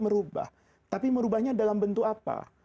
merubah tapi merubahnya dalam bentuk apa